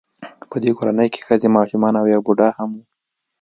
په دې کورنۍ کې ښځې ماشومان او یو بوډا هم و